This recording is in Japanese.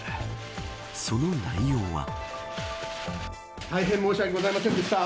その内容は。